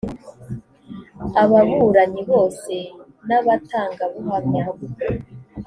ababuranyi bose n abatangabuhamya